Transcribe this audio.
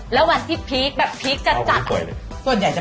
ก็ก็จะเหลียบพี่ศดาร